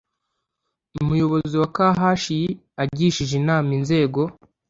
umuyobozi wa khi agishije inama inzego